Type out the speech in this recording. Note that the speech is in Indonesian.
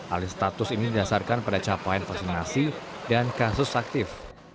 alih status ini didasarkan pada capaian vaksinasi dan kasus aktif